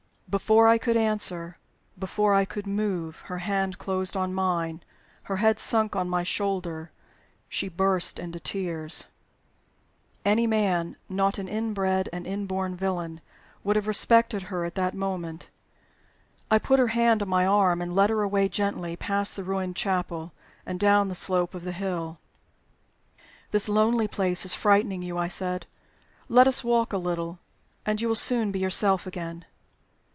Before I could answer, before I could move, her hand closed on mine; her head sunk on my shoulder: she burst into tears. Any man, not an inbred and inborn villain, would have respected her at that moment. I put her hand on my arm and led her away gently past the ruined chapel, and down the slope of the hill. "This lonely place is frightening you," I said. "Let us walk a little, and you will soon be yourself again."